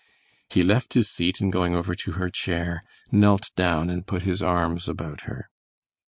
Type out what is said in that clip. He left his seat, and going over to her chair, knelt down and put his arms about her.